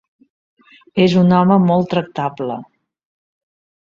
És un home molt tractable.